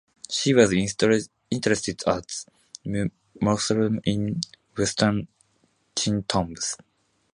She was interred at Mu Mausoleum in Western Qing tombs.